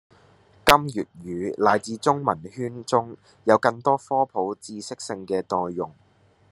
令粵語乃至中文圈中有更多科普知識性嘅內容